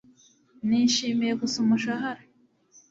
Nishimiye gusa umushahara